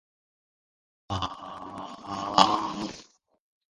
One passenger train named the runs on the track.